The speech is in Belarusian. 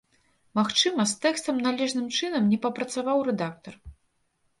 Магчыма, з тэкстам належным чынам не папрацаваў рэдактар.